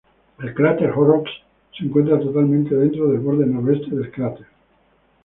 El cráter Horrocks se encuentra totalmente dentro del borde noreste del cráter.